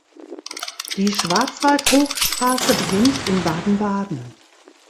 Die Schwarzwaldhochstraße beginnt in Baden-Baden.